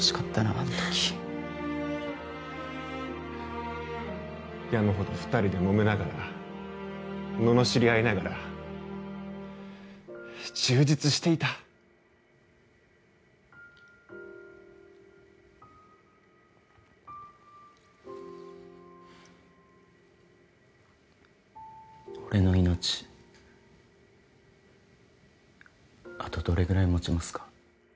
あの時山ほど二人でもめながらののしり合いながら充実していた俺の命あとどれぐらい持ちますか？